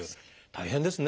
大変ですね。